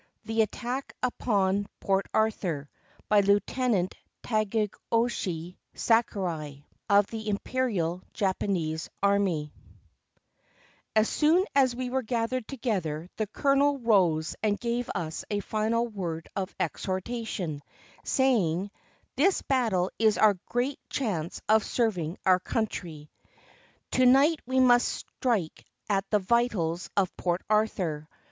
THE ATTACK UPON PORT ARTHUR BY LIEUTENANT TADAYOSHI SAKURAI, OF THE IMPERIAL JAPANESE ARMY As soon as we were gathered together the colonel rose and gave us a final word of exhortation, saying: "This battle is our great chance of serving our country. To night we must strike at the vitals of Port Arthur.